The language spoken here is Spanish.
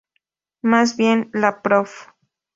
Más bien, la prof.